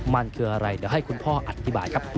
มันคืออะไรเดี๋ยวให้คุณพ่ออธิบายครับ